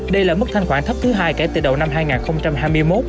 đây là mức thanh khoản thấp thứ hai kể từ đầu năm hai nghìn hai mươi một